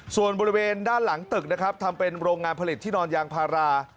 ส่วนบริเวณด้านหลังตึกนะครับทำเป็นโรงงานผลิตที่นอนยางพารา